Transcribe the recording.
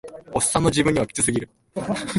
オッサンの自分にはキツすぎる